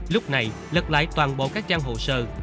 lúc này lật lại toàn bộ các trang hồ sơ